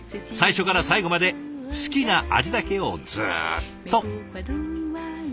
最初から最後まで好きな味だけをずっと。